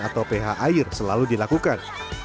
atau ph air selalu dilakukan